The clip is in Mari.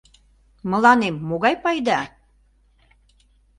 Мыланем могай пайда?